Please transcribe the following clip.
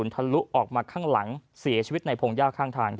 ทะลุออกมาข้างหลังเสียชีวิตในพงหญ้าข้างทาง